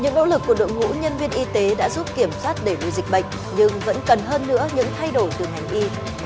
những nỗ lực của đội ngũ nhân viên y tế đã giúp kiểm soát đẩy lùi dịch bệnh nhưng vẫn cần hơn nữa những thay đổi từ ngành y